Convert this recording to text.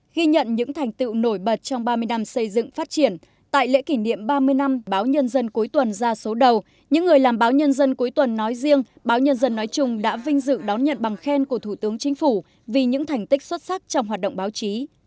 ghi nhận những thành tựu nổi bật trong ba mươi năm xây dựng phát triển tại lễ kỷ niệm ba mươi năm báo nhân dân cuối tuần ra số đầu những người làm báo nhân dân cuối tuần nói riêng báo nhân dân nói chung đã vinh dự đón nhận bằng khen của thủ tướng chính phủ vì những thành tích xuất sắc trong hoạt động báo chí